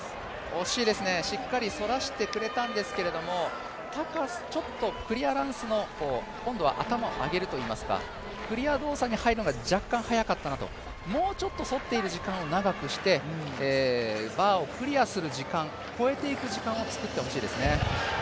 惜しいですね、しっかり反らしてくれたんですけど、ちょっとクリアランスの、今度は頭を上げるといいますか、クリア動作に入るのが、若干早かったなと、もうちょっと反っている時間を長くしてバーをクリアする時間、越えていく時間を作ってほしいですね。